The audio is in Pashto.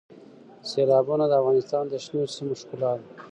سیلابونه د افغانستان د شنو سیمو ښکلا ده.